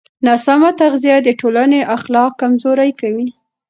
ناسمه تغذیه د ټولنې اخلاق کمزوري کوي.